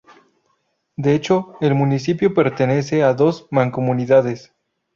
De hecho, el municipio pertenece a dos mancomunidades.